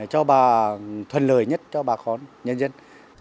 cho bà thuần lời nhất cho bà khó nhân dân